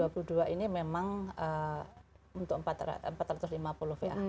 kalau yang dipasang di dua ribu dua puluh dua ini memang untuk empat ratus lima puluh va